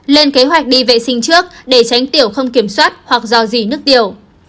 lên kế hoạch đi vệ sinh trước để tránh tiểu không kiểm soát hoặc do dì nước tiểu